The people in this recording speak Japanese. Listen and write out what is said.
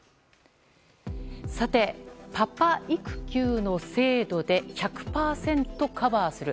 さて、パパ育休の制度で１００％カバーする。